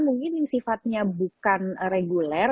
mungkin sifatnya bukan reguler